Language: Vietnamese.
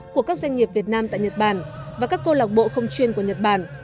của các doanh nghiệp việt nam tại nhật bản và các câu lạc bộ không chuyên của nhật bản